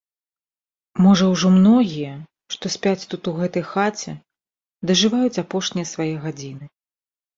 Можа ўжо многія, што спяць тут у гэтай хаце, дажываюць апошнія свае гадзіны.